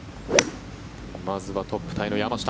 まずはトップタイの山下。